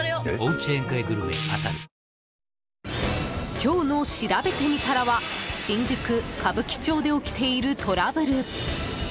今日のしらべてみたらは新宿・歌舞伎町で起きているトラブル。